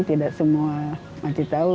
tidak semua makci tahu